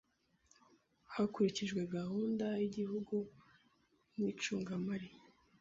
hakurikijwe gahunda y igihugu n icungamari